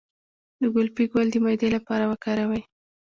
د ګلپي ګل د معدې لپاره وکاروئ